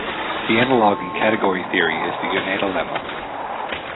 The analogue in category theory is the Yoneda lemma.